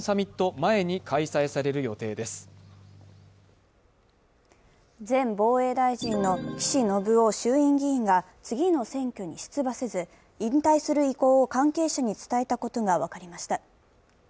前防衛大臣の岸信夫衆院議員が次の選挙に出馬せず引退する意向を関係者に伝えたことが分かりました。